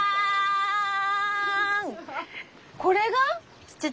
これが？